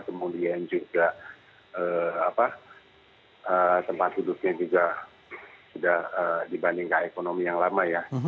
kemudian juga tempat duduknya juga sudah dibandingkan ekonomi yang lama ya